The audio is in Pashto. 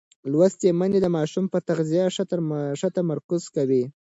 لوستې میندې د ماشوم پر تغذیه ښه تمرکز کوي.